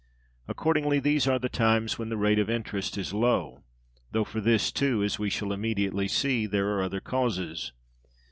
Accordingly, these are the times when the rate of interest is low; though for this too (as we shall immediately see) there are other causes.